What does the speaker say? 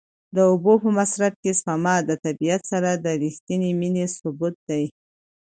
د اوبو په مصرف کې سپما د طبیعت سره د رښتینې مینې ثبوت دی.